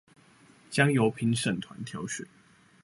將由評審團挑選